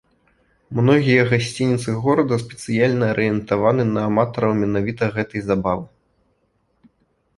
Многія гасцініцы горада спецыяльна арыентаваны на аматараў менавіта гэтай забавы.